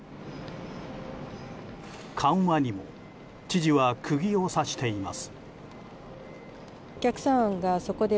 緩和にも知事は釘を刺しています。